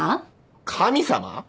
神様？